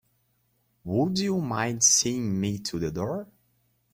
Would you mind seeing me to the door?